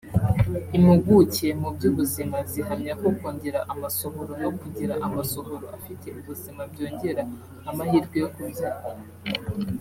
Impuguke mu by’ubuzima zihamya ko kongera amasohoro no kugira amasohoro afite ubuzima byongera amahirwe yo kubyara